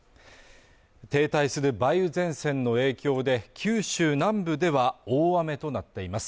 停滞する梅雨前線の影響で、九州南部では大雨となっています。